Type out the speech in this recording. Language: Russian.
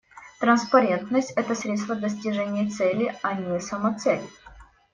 Транспарентность — это средство достижения цели, а не самоцель.